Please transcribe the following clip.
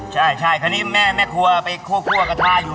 ใช่คราวนี้แม่ครัวไปคั่วกระทาอยู่